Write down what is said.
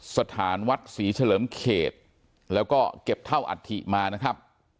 สถานวัดศรีเฉลิมเขตแล้วก็เก็บเท่าอัฐิมานะครับ